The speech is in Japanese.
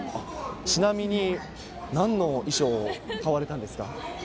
ちなみに、なんの衣装を買われたんですか。